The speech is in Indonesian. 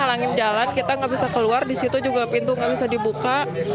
halangin jalan kita tidak bisa keluar disitu juga pintu tidak bisa dibuka